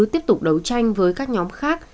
tiếp tục đấu tranh với các nhóm khác